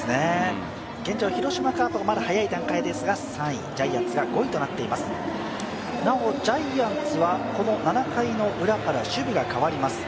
現状、広島カープがまだ早い段階ですが３位、ジャイアンツが５位となっていますなおジャイアンツは７回ウラから守備がかわります。